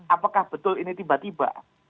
apakah betul ini tiba tiba